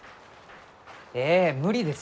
ええ無理ですよ。